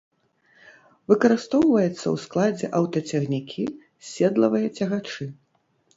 Выкарыстоўваецца ў складзе аўтацягнікі з седлавыя цягачы.